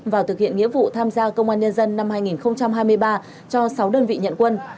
và thực hiện nghĩa vụ tham gia công an nhân dân năm hai nghìn hai mươi ba cho sáu đơn vị nhận quân